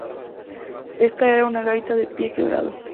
Esta era una gaita de pie quebrado.